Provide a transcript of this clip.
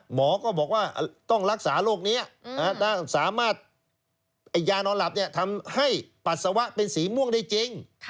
หมอก็บอกว่าต้องรักษาโรคนี้ถ้าสามารถยานอนหลับทำให้ปัสสาวะเป็นสีม่วงได้จริง